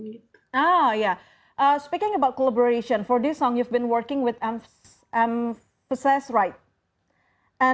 oh ya berbicara tentang kolaborasi untuk lagu ini kamu telah bekerja dengan m f pesas bukan